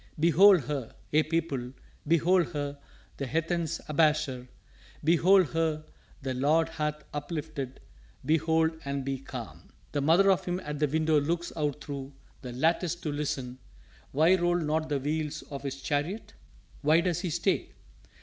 "Behold her, ye people, behold her the heathen's abasher; Behold her the Lord hath uplifted behold and be calm! "The mother of him at the window looks out thro' the lattice to listen Why roll not the wheels of his chariot? why does he stay?